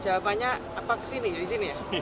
jawabannya apa kesini disini ya